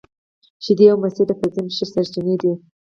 شیدې او مستې د کلسیم ښې سرچینې دي